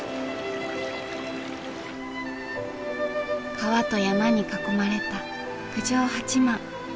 川と山に囲まれた郡上八幡。